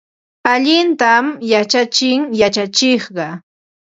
Allintam yachachin yachachiqqa.